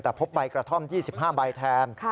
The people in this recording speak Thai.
แต่พบใบกระท่อม๒๕ใบแทน